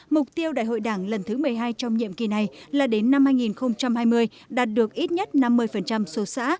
mục tiêu đại hội đảng lần thứ một mươi hai trong nhiệm kỳ này là đến năm hai nghìn hai mươi đạt được ít nhất năm mươi số xã